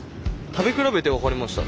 食べ比べて分かりました。